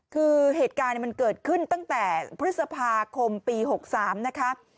คือเหตุการณ์มันเกิดขึ้นตั้งแต่พฤษภาคมปี๖๓นะคะ